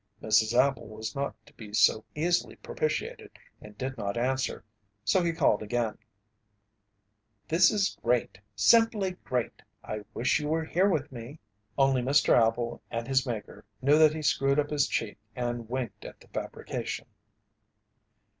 Mrs. Appel was not to be so easily propitiated and did not answer, so he called again: "This is great simply great! I wish you were with me." Only Mr. Appel and his Maker knew that he screwed up his cheek and winked at the fabrication.